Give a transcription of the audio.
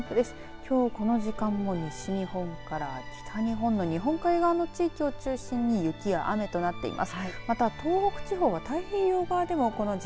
きょう、この時間も西日本から北日本の日本海側の地域を中心に雪や雨となっています。